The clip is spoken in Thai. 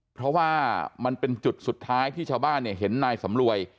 เพราะว่ามันเป็นจุดสุดท้ายที่ชาวบ้านเห็นนายสำรวย